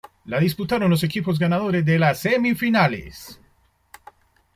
La disputaron los equipos ganadores de las semifinales.